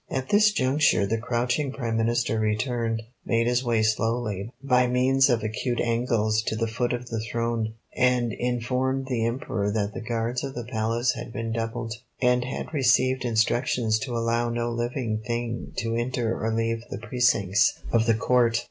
At this juncture the crouching Prime Minister returned, made his way slowly, by means of acute angles, to the foot of the throne, and informed the Emperor that the guards of the Palace had been doubled, and had received instructions to allow no living thing to enter or leave the precincts of the Court.